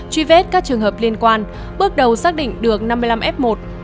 truy vết các trường hợp liên quan bước đầu xác định được năm mươi năm f một